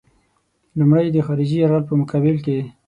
لومړی یې د خارجي یرغل په مقابل کې.